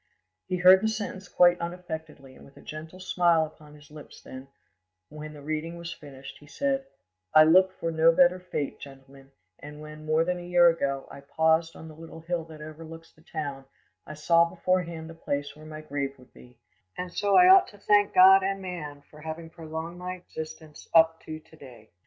He heard the sentence quite unaffectedly and with a gentle smile upon his lips; then, when the reading was finished, he said— "I look for no better fate, gentlemen, and when, more than a year ago, I paused on the little hill that overlooks the town, I saw beforehand the place where my grave would be; and so I ought to thank God and man far having prolonged my existence up to to day."